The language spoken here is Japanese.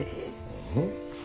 うん？